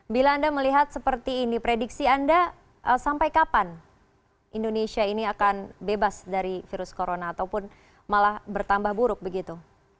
bila anda melihat seperti ini prediksi anda sampai kapan indonesia ini akan bebas dari virus corona ataupun malah bertambah buruk begitu